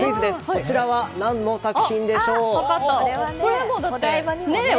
これは何の作品でしょう？